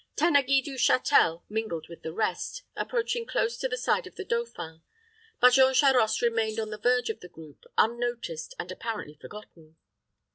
Tanneguy du Châtel mingled with the rest, approaching close to the side of the dauphin; but Jean Charost remained on the verge of the group, unnoticed, and apparently forgotten.